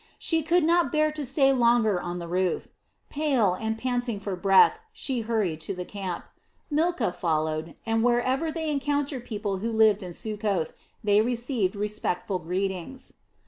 She could not bear to stay longer on the roof. Pale and panting for breath, she hurried to the camp. Milcah followed, and wherever they encountered people who lived in Succoth, they received respectful greetings.